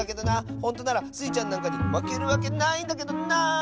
ほんとならスイちゃんなんかにまけるわけないんだけどな。